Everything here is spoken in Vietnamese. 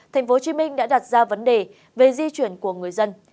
tp hcm đã đặt ra vấn đề về di chuyển của người dân